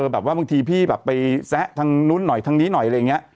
บางทีพี่แบบไปแซะทางนู้นหน่อยทางนี้หน่อยอะไรอย่างนี้